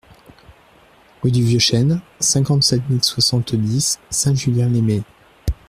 Rue du Vieux Chene, cinquante-sept mille soixante-dix Saint-Julien-lès-Metz